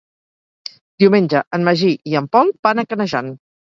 Diumenge en Magí i en Pol van a Canejan.